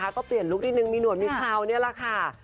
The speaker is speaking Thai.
ก็เปลี่ยนลูกหนึ่งมีนวดมีเคราะห์